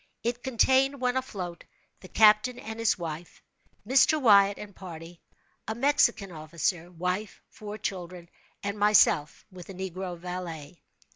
It contained, when afloat, the captain and his wife, Mr. Wyatt and party, a Mexican officer, wife, four children, and myself, with a negro valet.